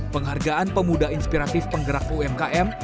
penghargaan pemuda inspiratif penggerak umkm